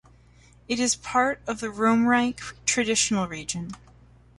It is part of the Romerike traditional region.